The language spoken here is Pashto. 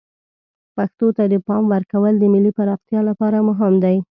پښتو ته د پام ورکول د ملی پراختیا لپاره مهم دی.